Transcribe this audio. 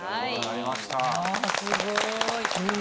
あすごい。